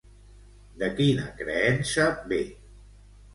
De quina creença ve?